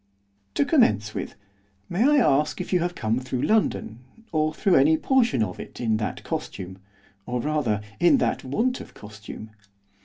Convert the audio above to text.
'To commence with, may I ask if you have come through London, or through any portion of it, in that costume, or, rather, in that want of costume?